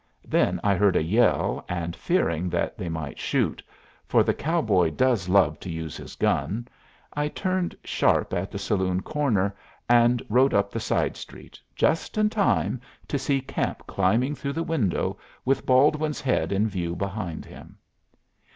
Then I heard a yell, and fearing that they might shoot, for the cowboy does love to use his gun, I turned sharp at the saloon corner and rode up the side street, just in time to see Camp climbing through the window, with Baldwin's head in view behind him.